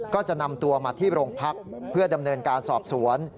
ก็จะนำตัวมาที่โรงพักเพื่อดำเนินการสอบสวน